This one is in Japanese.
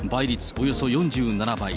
およそ４７倍。